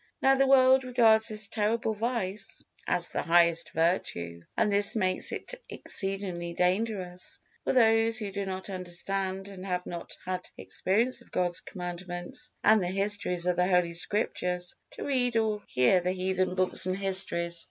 Now the world regards this terrible vice as the highest virtue, and this makes it exceedingly dangerous for those who do not understand and have not had experience of God's Commandments and the histories of the Holy Scriptures, to read or hear the heathen books and histories.